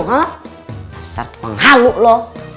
pasar penghaluk lu